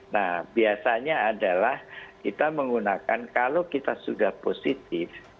nah biasanya adalah kita menggunakan kalau kita sudah positif